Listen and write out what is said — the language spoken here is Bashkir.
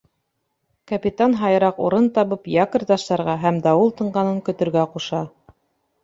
Капитан һайыраҡ урын табып якорь ташларға һәм дауыл тынғанын көтөргә ҡуша.